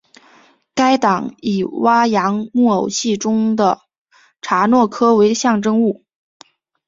该党以哇扬木偶戏中的查诺科为象征物。